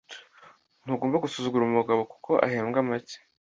Ntugomba gusuzugura umugabo kuko ahembwa make.